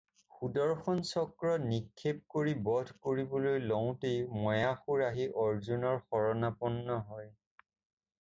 সুদৰ্শন চক্ৰ নিক্ষেপ কৰি বধ কৰিবলৈ লওঁতেই ময়াসুৰ আহি অৰ্জুনৰ শৰণাপন্ন হয়।